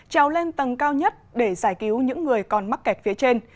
treo lên tầng cao nhất để giải cứu những người còn mắc kẹt phía trên